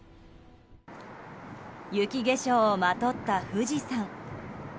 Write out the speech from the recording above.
雪化粧をまとった富士山。